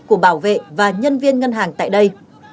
của bảo vệ và nhân viên ngân hàng tại đây